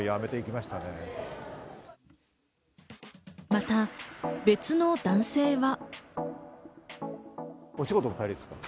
また、別の男性は。